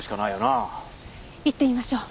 行ってみましょう。